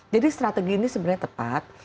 jadi strategi ini sebenarnya tepat